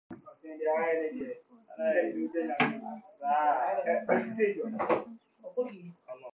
The suit was motivated in large part by the Runaway Pond catastrophe.